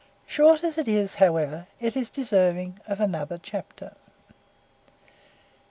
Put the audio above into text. Short as it is, however, it is deserving of another chapter.